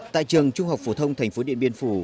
tại trường trung học phổ thông thành phố điện biên phủ